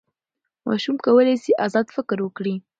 ماشوم کولی سي ازاد فکر وکړي.